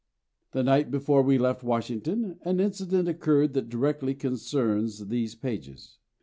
The night before we left Washington an incident occurred that directly concerns these pages.